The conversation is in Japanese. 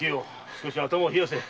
少し頭を冷やせ。